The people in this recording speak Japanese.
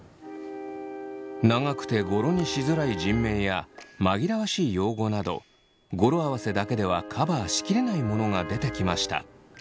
長くて語呂にしづらい人名や紛らわしい用語など語呂合わせだけではカバーし切れないものが出てきました。